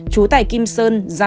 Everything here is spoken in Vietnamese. chú tài kim sơn